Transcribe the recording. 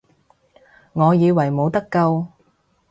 我以為冇得救